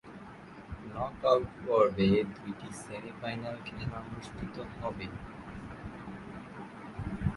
Knockout পর্বে দুইটি semi-final খেলা অনুষ্ঠিত হবে।